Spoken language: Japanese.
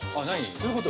どういうこと？